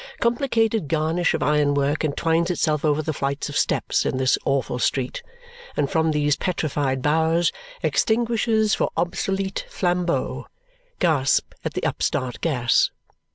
Complicated garnish of iron work entwines itself over the flights of steps in this awful street, and from these petrified bowers, extinguishers for obsolete flambeaux gasp at the upstart gas.